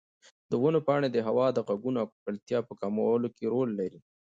د ونو پاڼې د هوا د غږونو او ککړتیا په کمولو کې رول لري.